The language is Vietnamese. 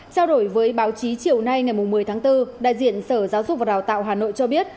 trao đổi với báo chí chiều nay ngày một mươi tháng bốn đại diện sở giáo dục và đào tạo hà nội cho biết